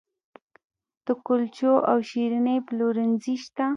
د کلچو او شیریني پلورنځي شته